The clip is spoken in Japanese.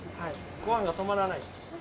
ご飯が止まらない。